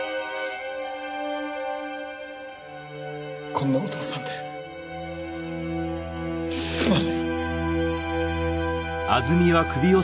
こんなお父さんですまない。